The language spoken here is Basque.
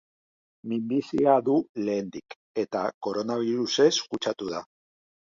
Minbizia du lehendik, eta koronabirusez kutsatu da.